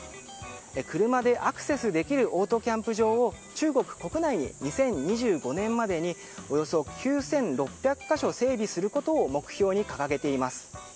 車でアクセスできるオートキャンプ場を中国国内に２０２５年までにおよそ９６００か所整備することを目標に掲げています。